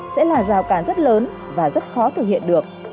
sẽ là rào cản rất lớn và rất khó thực hiện được